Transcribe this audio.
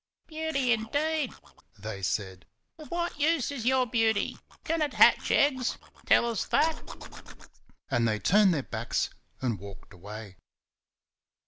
"Beauty, indeed!" they said. "Of what use is your beauty? Can it hatch eggs? Tell us that!" and they turned their backs and walked away.